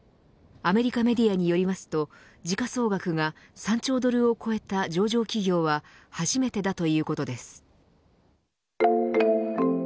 アメリカメディアによりますと時価総額が３兆ドルを超えた上場企業は初めてだということです。